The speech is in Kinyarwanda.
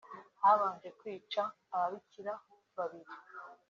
Habanje kwica ababikira babiri